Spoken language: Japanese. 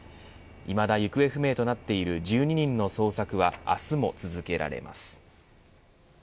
いまだ行方不明となっている１２人の捜索は明日も続けられます。